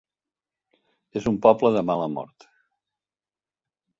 És un poble de mala mort.